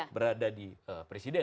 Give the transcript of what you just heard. berada di presiden